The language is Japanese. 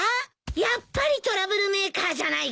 やっぱりトラブルメーカーじゃないか。